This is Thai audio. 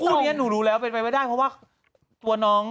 เพราะพวกนี้หนูรู้แล้วเป็นไปไม่ได้เพราะว่า